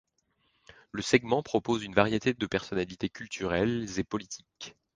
Le segment propose une variété de personnalités culturelles et politiques.